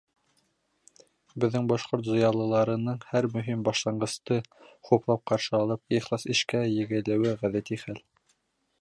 Беҙҙең башҡорт зыялыларының һәр мөһим башланғысты хуплап ҡаршы алып, ихлас эшкә егелеүе — ғәҙәти хәл.